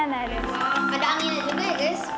ada anginnya juga ya guys